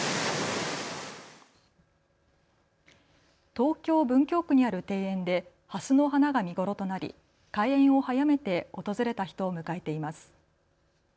東京文京区にある庭園でハスの花が見頃となり開園を早めて訪れた人を迎えています。